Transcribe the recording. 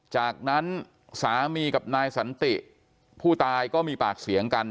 จากนั้นสามีกับนายสันติผู้ตายก็มีปากเสียงกัน